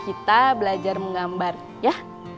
kita belajar menggambar ya